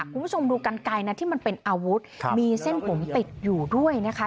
คุณผู้ชมดูกันไกลนะที่มันเป็นอาวุธมีเส้นผมติดอยู่ด้วยนะคะ